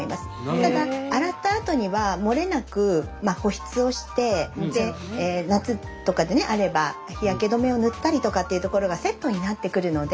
ただ洗ったあとには漏れなく保湿をして夏とかであれば日焼け止めを塗ったりとかというところがセットになってくるので。